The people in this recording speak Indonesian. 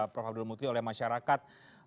prof abdul muti oleh masyarakat